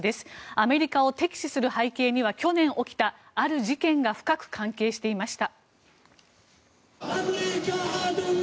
アメリカを敵視する背景には去年起きたある事件が深く関係していました。